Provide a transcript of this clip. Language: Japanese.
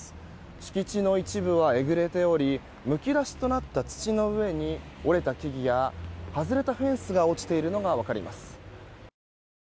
敷地の一部はえぐれたようにむき出しとなった土の上に折れた木々や外れたフェンスが落ちているのが分かります。